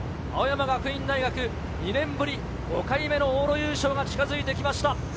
青山学院大学、２年ぶり５回目の往路優勝が近づいてきました。